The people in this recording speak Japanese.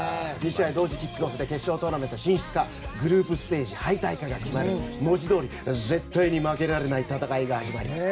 ２試合同時キックオフで決勝トーナメント進出かグループステージ敗退かが決まる文字どおり、絶対に負けられない戦いが始まります。